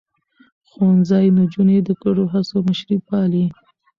ښوونځی نجونې د ګډو هڅو مشري پالي.